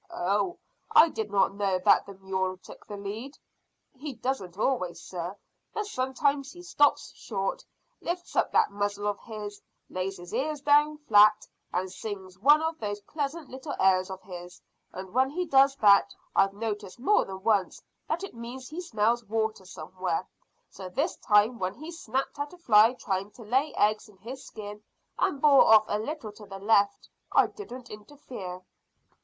"Oh, I did not know that the mule took the lead." "He doesn't always, sir, but sometimes he stops short, lifts up that muzzle of his, lays his ears flat down, and sings one of those pleasant little airs of his; and when he does that I've noticed more than once that it means he smells water somewhere. So this time when he snapped at a fly trying to lay eggs in his skin, and bore off a little to the left, I didn't interfere."